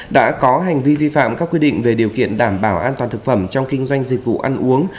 đã có hành vi vi phạm các quy định về điều kiện đảm bảo an toàn thực phẩm trong kinh doanh dịch vụ ăn uống